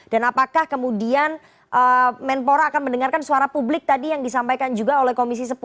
dan apakah kemudian menpora akan mendengarkan suara publik tadi yang disampaikan juga oleh komisi sepuluh